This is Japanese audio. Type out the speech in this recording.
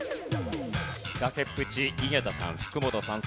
崖っぷち井桁さん福本さん